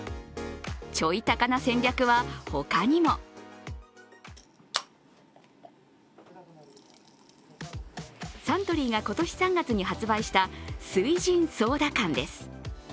ちょい高な戦略は他にもサントリーが今年３月に発売した翠ジンソーダ缶です。